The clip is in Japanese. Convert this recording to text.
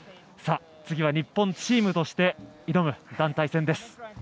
次は日本チームとして挑む団体戦です。